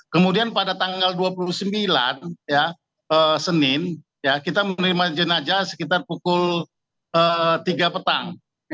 kemudian pada tanggal dua puluh sembilan senin kita menerima jenazah sekitar pukul tiga petang